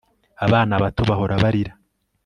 Abana bato bahora barira